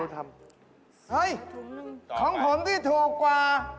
ของผมที่ถูกกว่า